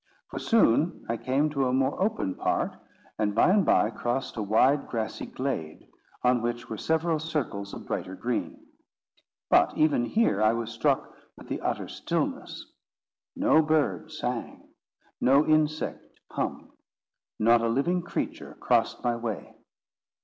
For soon I came to a more open part, and by and by crossed a wide grassy glade, on which were several circles of brighter green. But even here I was struck with the utter stillness. No bird sang. No insect hummed. Not a living creature crossed my way.